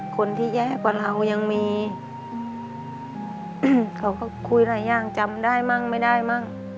คนที่แย่กว่าเรายังมีเขาก็คุยหลายอย่างจำได้มั่งไม่ได้มั่ง